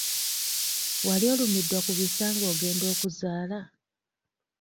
Wali olumiddwa ku bisa nga ogenda okuzaala?